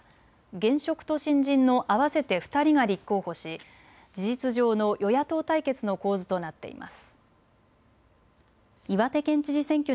現職と新人の合わせて２人が立候補し事実上の与野党対決の構図となっています。